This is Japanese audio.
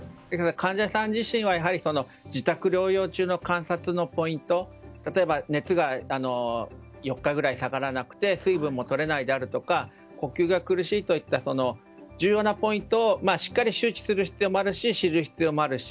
患者さん自身は自宅療養中の観察のポイント例えば、熱が４日ぐらい下がらなくて水分が取れないであるとか呼吸が苦しいといった重要なポイントをしっかり周知する必要もあるし知る必要もあるし。